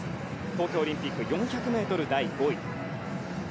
東京オリンピック４００ｍ第５位。